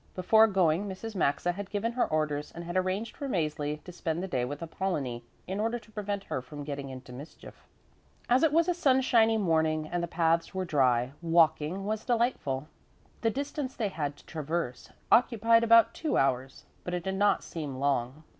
Before going Mrs. Maxa had given her orders and had arranged for Mäzli to spend the day with Apollonie, in order to prevent her from getting into mischief. As it was a sunshiny morning and the paths were dry, walking was delightful. The distance they had to traverse occupied about two hours, but it did not seem long.